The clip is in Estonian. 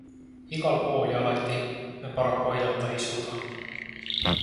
Igal pool ja alati me paraku aidata ei suuda.